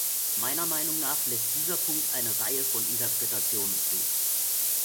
Meiner Meinung nach lässt dieser Punkt eine Reihe von Interpretationen zu.